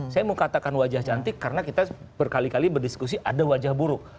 saya mau katakan wajah cantik karena kita berkali kali berdiskusi ada wajah buruk